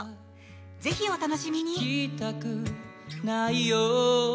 ぜひ、お楽しみに！